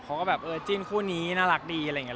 เขาก็แบบเออจิ้นคู่นี้น่ารักดีอะไรอย่างนี้